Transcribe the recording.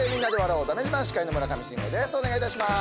お願いいたします。